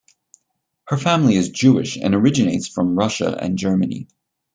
Her family is Jewish and originates from Russia and Germany.